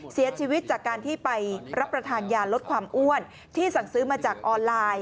เสียชีวิตจากการที่ไปรับประทานยาลดความอ้วนที่สั่งซื้อมาจากออนไลน์